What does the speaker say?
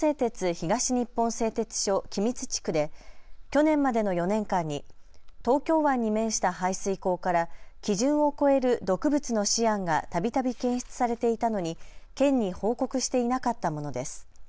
東日本製鉄所君津地区で去年までの４年間に東京湾に面した排水口から基準を超える毒物のシアンがたびたび検出されていたのに県に報告していなかったものです。